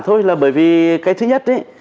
thôi là bởi vì cái thứ nhất